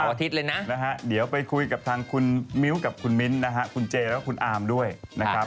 อาทิตย์เลยนะนะฮะเดี๋ยวไปคุยกับทางคุณมิ้วกับคุณมิ้นท์นะฮะคุณเจแล้วก็คุณอามด้วยนะครับ